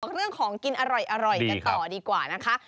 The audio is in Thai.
เรื่องของกินอร่อยกันต่อดีกว่านะคะ